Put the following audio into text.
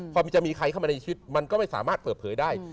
พอจะมีใครเข้ามาในชีวิตมันก็ไม่สามารถเปิดเผยได้